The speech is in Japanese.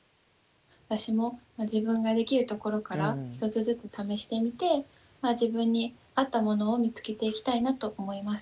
私も自分ができるところから１つずつ試してみて自分に合ったものを見つけていきたいなと思います。